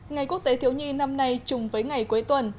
ngày quốc tế thiếu nhi năm nay chung với ngày cuối tuần